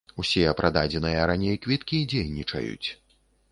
Усе прададзеныя раней квіткі дзейнічаюць.